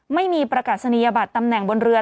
ไม่มีประกาศนียบัตรตำแหน่งบนเรือ